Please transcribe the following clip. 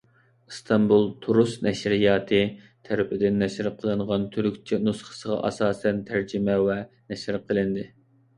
ئىستانبۇل «تۇرۇس نەشرىياتى» تەرىپىدىن نەشر قىلىنغان تۈركچە نۇسخىسىغا ئاساسەن تەرجىمە ۋە نەشر قىلىندى.